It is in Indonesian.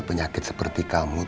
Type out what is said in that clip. penyakit seperti kamu